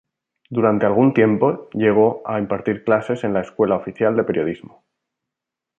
Durante algún tiempo llegó a impartir clases en la Escuela Oficial de Periodismo.